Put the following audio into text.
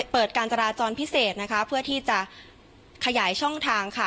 เปิดการจราจรพิเศษนะคะเพื่อที่จะขยายช่องทางค่ะ